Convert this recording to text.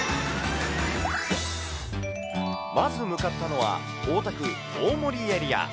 まず向かったのは、大田区大森エリア。